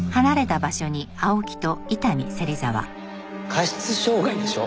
過失傷害でしょ。